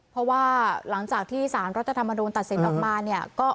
เพราะว่าหลังจากที่สารรัฐธรรมดนตรัสเซ็นต์ออกมา